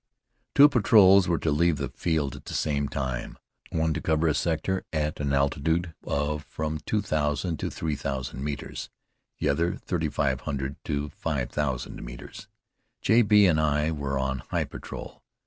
Two patrols were to leave the field at the same time, one to cover the sector at an altitude of from two thousand to three thousand metres, the other, thirty five hundred to five thousand metres. J. B. and I were on high patrol.